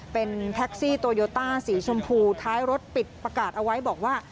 เป็นแท็กซี่โตโยต้าสีชมพูท้ายรถปิดประกาศเอาไว้บอกว่า